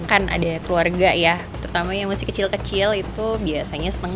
kan ada keluarga ya terutama yang masih kecil kecil itu biasanya senang